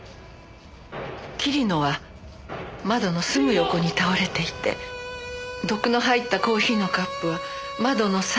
桐野は窓のすぐ横に倒れていて毒の入ったコーヒーのカップは窓の桟に置かれていたそうです。